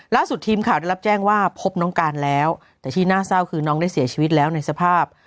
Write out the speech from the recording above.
ทีมข่าวได้รับแจ้งว่าพบน้องการแล้วแต่ที่น่าเศร้าคือน้องได้เสียชีวิตแล้วในสภาพ